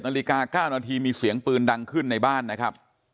นาฬิกา๙นาทีมีเสียงปืนดังขึ้นในบ้านนะครับ